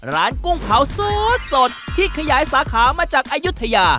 กุ้งเผาซุดสดที่ขยายสาขามาจากอายุทยา